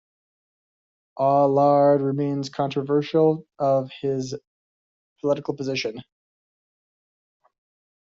Aulard remains controversial of his political positions.